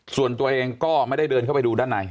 ส่วนตัวเองก็ไม่ได้เดินเข้าไปดูด้านใน